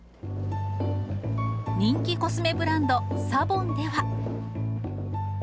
人気コスメブランド、サボンでは。